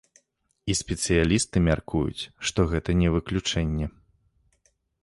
І спецыялісты мяркуюць, што гэта не выключэнне.